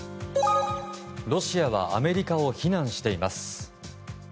ロシアはアメリカを非難しています。